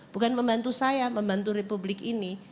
bukan membantu saya membantu republik ini